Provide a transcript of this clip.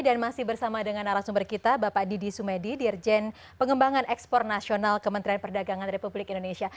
dan masih bersama dengan arah sumber kita bapak didi sumedi dirjen pengembangan ekspor nasional kementerian perdagangan republik indonesia